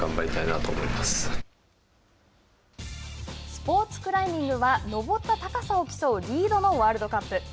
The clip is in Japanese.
スポーツクライミングは登った高さを競うリードのワールドカップ。